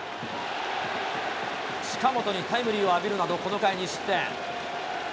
近本にタイムリーを浴びるなど、この回、２失点。